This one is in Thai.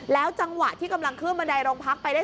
จังหวะที่กำลังขึ้นบันไดโรงพักไปได้